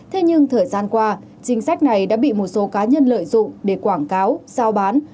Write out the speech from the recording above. thế nhưng thời gian qua chính sách này đã bị một số cá nhân lợi dụng để quảng cáo giao bán